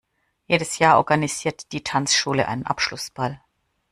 Jedes Jahr organisiert die Tanzschule einen Abschlussball.